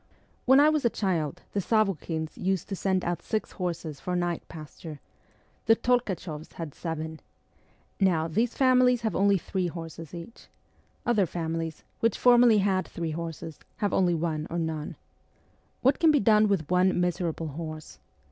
When I was a child the Sav6khins used to send out six horses for night pasture ; the Tolkachoffs had seven. Now these families have only three horses each ; other families, which formerly had three horses, ST. PETERSBURG 19 have only one or none. What can be done with one miserable horse